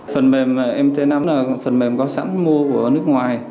phần mềm mt năm là phần mềm có sẵn mua của nước ngoài